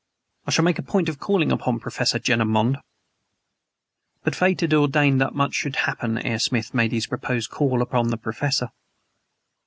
I shall make a point of calling upon Professor Jenner Monde." But Fate had ordained that much should happen ere Smith made his proposed call upon the Professor.